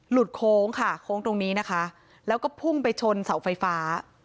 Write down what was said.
โค้งค่ะโค้งตรงนี้นะคะแล้วก็พุ่งไปชนเสาไฟฟ้า